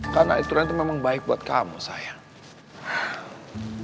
karena aturan itu memang baik buat kamu sayang